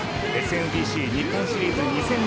ＳＭＢＣ日本シリーズ２０２２